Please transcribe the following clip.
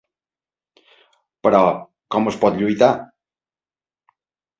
Però, com es pot lluitar?